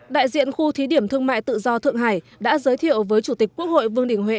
đại diện khu thí điểm thương mại tự do thượng hải đã giới thiệu với chủ tịch quốc hội vương đình huệ